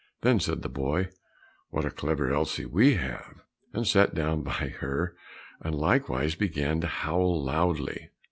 Then said the boy, "What a clever Elsie we have!" and sat down by her, and likewise began to howl loudly.